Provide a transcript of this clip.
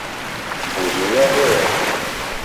Òrzèèyá hwɛ̂.